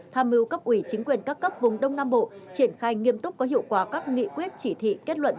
tham mưu cấp ủy chính quyền các cấp vùng đông nam bộ triển khai nghiêm túc có hiệu quả các nghị quyết chỉ thị kết luận